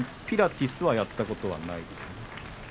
ピラティスはやったことはないですか。